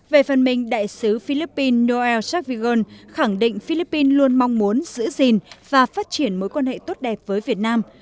về phần mình đại sứ philippines noel savigon khẳng định philippines luôn mong muốn giữ gìn và phát triển mối quan hệ tốt đẹp với việt nam